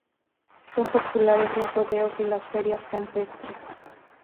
Son populares los rodeos y las ferias campestres.